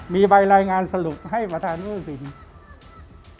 มีใบรายงานสรุปให้ประธานหุสิน